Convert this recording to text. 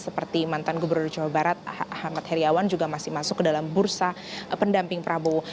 seperti mantan gubernur jawa barat ahmad heriawan juga masih masuk ke dalam bursa pendamping prabowo